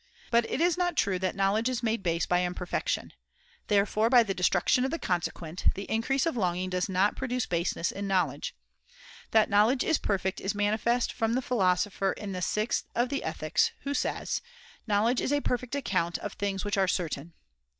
But it is not true that knowledge is made base by imper fection. Therefore, by the destruction of the consequent, the increase of longing does not pro duce baseness in knowledge. That knowledge is perfect is manifest from the Philosopher in the sixth of the Ethics, who says that ♦ knowledge is a perfect account of things which are certain.'